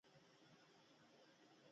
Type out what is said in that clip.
هیڅوک به نه پوهیږي چې دا یو زوړ کور دی